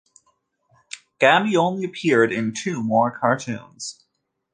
Gabby only appeared in two more cartoons.